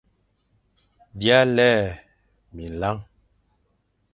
B îa lè minlañ.